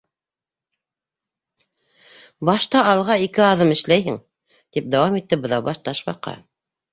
—Башта алға ике аҙым эшләйһең... —тип дауам итте Быҙаубаш Ташбаҡа.